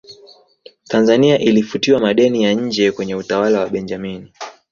tanzania ilifutiwa madeni ya nje kwenye utawala wa benjamini